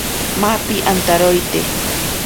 Mapi antaroite.